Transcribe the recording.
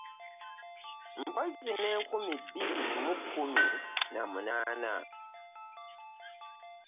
Mpozzi ne nkumi bbiri mu kkumi na munaana